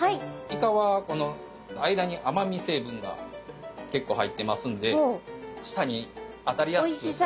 イカはこの間に甘み成分が結構入ってますんで舌に当たりやすくするために。